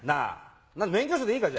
免許証でいいか？